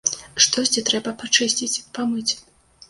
Штосьці трэба пачысціць, памыць.